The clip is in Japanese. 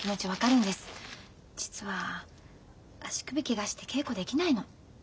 実は足首ケガして稽古できないの。